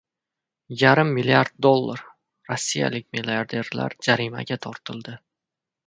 Yarim milliard dollar! Rossiyalik milliarder jarimaga tortildi